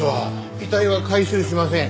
遺体は回収しません。